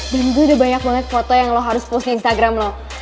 dan gue udah banyak banget foto yang lu harus post di instagram lu